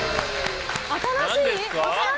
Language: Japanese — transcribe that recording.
新しい？